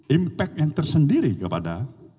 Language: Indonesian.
impact yang tersendiri kepada